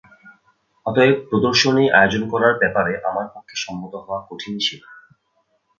অতএব প্রদর্শনী আয়োজন করার ব্যাপারে আমার পক্ষে সম্মত হওয়া কঠিনই ছিল।